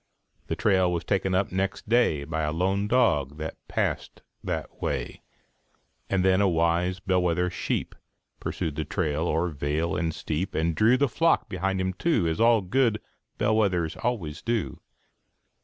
The trail was taken up next day By a lone dog that passed that way; And then a wise bell wether sheep Pursued the trail oŌĆÖer vale and steep, And drew the flock behind him, too, As good bell wethers always do.